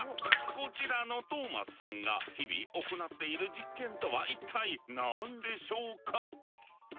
こちらのトーマスさんが日々行っている実験とは一体何でしょうか？